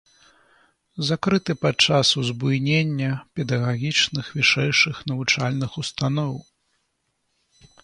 Закрыты падчас узбуйнення педагагічных вышэйшых навучальных устаноў.